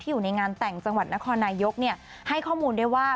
อยู่ในงานแต่งจังหวัดนครนายกให้ข้อมูลได้ว่า